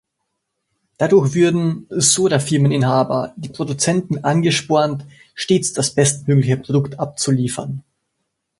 Dadurch würden, so der Firmeninhaber, die Produzenten angespornt, stets das bestmögliche Produkt abzuliefern.